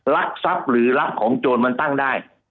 รักทรัพย์หรือรักของโจรมันตั้งได้